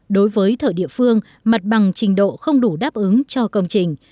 đối với thợ địa phương mặt bằng trình độ không đủ đáp ứng cho công trình